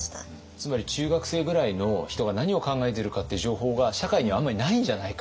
つまり中学生ぐらいの人が何を考えてるかっていう情報が社会にあんまりないんじゃないか？